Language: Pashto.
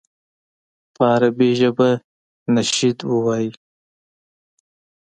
په عربي ژبه نشید ووایي.